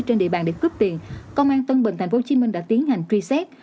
trên địa bàn để cướp tiền công an tân bình tp hcm đã tiến hành truy xét